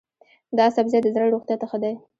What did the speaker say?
دا سبزی د زړه روغتیا ته ښه دی.